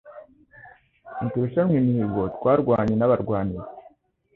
Ntiturushanwa imihigo Twarwanye n’abarwaniza